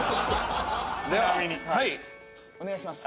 ではお願いします。